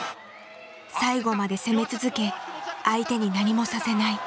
最後まで攻め続け相手に何もさせない。